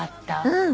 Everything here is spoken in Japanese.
うん。